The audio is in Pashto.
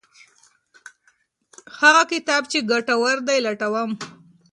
هغه کتاب چې ګټور دی لټوم.